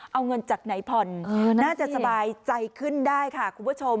เอาเงินจากไหนผ่อนน่าจะสบายใจขึ้นได้ค่ะคุณผู้ชม